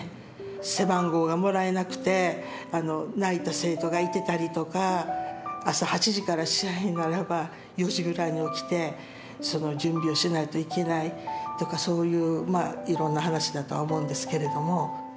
背番号がもらえなくて泣いた生徒がいてたりとか朝８時から試合ならば４時ぐらいに起きてその準備をしないといけないとかそういういろんな話だとは思うんですけれども。